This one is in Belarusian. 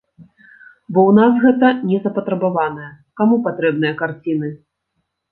Бо ў нас гэта не запатрабаванае, каму патрэбныя карціны?